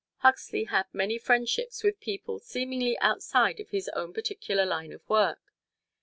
Huxley had many friendships with people seemingly outside of his own particular line of work.